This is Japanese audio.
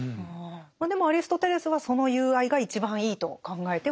でもアリストテレスはその友愛が一番いいと考えてはいたんですもんね。